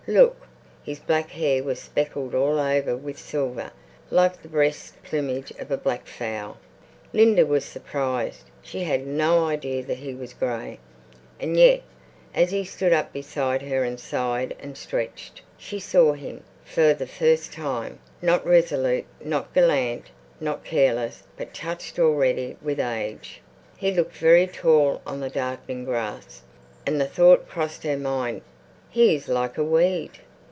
"Look!" His black hair was speckled all over with silver, like the breast plumage of a black fowl. Linda was surprised. She had no idea that he was grey. And yet, as he stood up beside her and sighed and stretched, she saw him, for the first time, not resolute, not gallant, not careless, but touched already with age. He looked very tall on the darkening grass, and the thought crossed her mind, "He is like a weed."